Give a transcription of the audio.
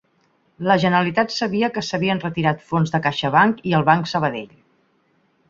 La Generalitat sabia que s'havien retirat fons de CaixaBank i el Banc Sabadell